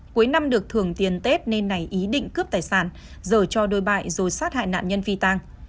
cuối năm được thưởng tiền tết nên nảy ý định cướp tài sản giờ cho đôi bại rồi sát hại nạn nhân phi tang